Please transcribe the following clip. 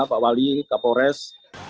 pak wali kak pores